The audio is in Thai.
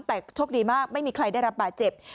แต่โชคดีมากไม่มีใครได้รับบาดเจ็บ